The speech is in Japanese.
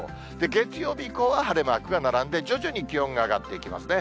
月曜日以降は晴れマークが並んで、徐々に気温が上がっていきますね。